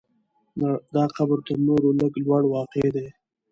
دا قبر تر نورو لږ لوړ واقع دی.